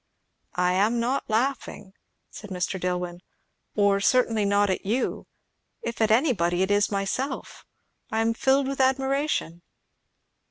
"I am not laughing," said Mr. Dillwyn, "or certainly not at you. If at anybody, it is myself. I am filled with admiration."